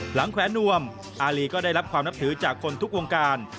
แขวนนวมอารีก็ได้รับความนับถือจากคนทุกวงการ